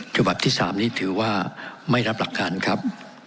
ฉบับที่๓นี้ถือว่าไม่รับหลักการครับ